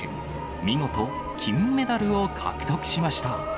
見事、金メダルを獲得しました。